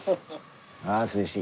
ああ涼しい。